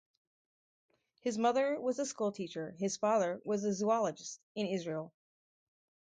His mother was a schoolteacher, his father was a zoologist in Israel.